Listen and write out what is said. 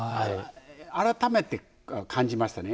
改めて感じましたね。